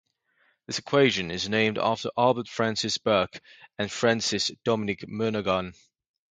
This equation is named after Albert Francis Birch and Francis Dominic Murnaghan.